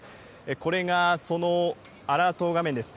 これがそのアラート画面です。